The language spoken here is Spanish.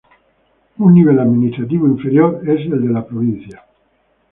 Un nivel administrativo inferior es el de la provincias.